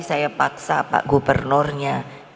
saya paksa pak gubernurnya